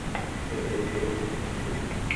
ফিরতে দেরি হবে বলে মায়ের কাছ থেকে ঘরের চাবি নিয়ে যান।